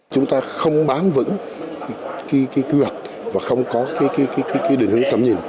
chúng ta không bám vững cái quy hoạch và không có cái định hướng tầm nhìn